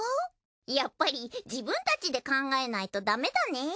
やっぱり自分たちで考えないとダメだね。